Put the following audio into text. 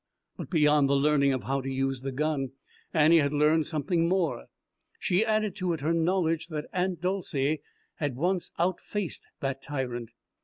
But beyond the learning how to use the gun Annie had learned something more: she added it to her knowledge that Aunt Dolcey had once outfaced that tyrant.